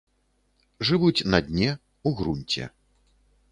Жывуць на дне, у грунце.